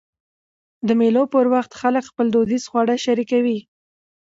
د مېلو پر وخت خلک خپل دودیز خواړه شریکوي.